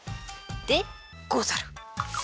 でござる。